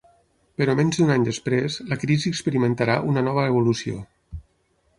Però menys d'un any després, la crisi experimentarà una nova evolució.